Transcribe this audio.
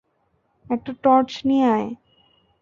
একটা টর্চ নিয়ে আয়।